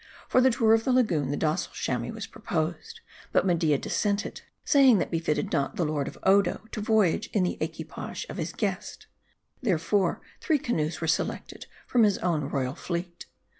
For the tour of the lagoon, the docile Chamois was proposed ; but Media dissented ; saying, that it befitted not the lord of Odo to voyage in the equipage of his guest. Therefore, three canoes were selected from his own royal fleet.